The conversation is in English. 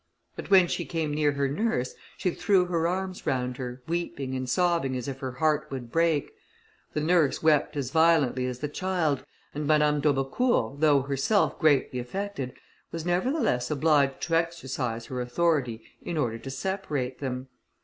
But when she came near her nurse, she threw her arms round her, weeping and sobbing as if her heart would break. The nurse wept as violently as the child, and Madame d'Aubecourt, though herself greatly affected, was nevertheless obliged to exercise her authority in order to separate them.